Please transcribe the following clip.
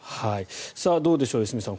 どうでしょう、良純さん